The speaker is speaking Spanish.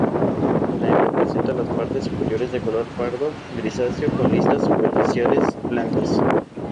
La hembra presenta las partes superiores de color pardo grisáceo, con listas superciliares blancas.